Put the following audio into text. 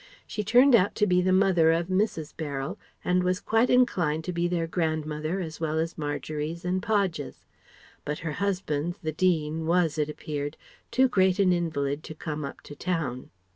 She turned out to be the mother of Mrs. Beryl and was quite inclined to be their grandmother as well as Margery's and Podge's. But her husband the Dean was it appeared too great an invalid to come up to town.